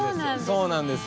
そうなんですね。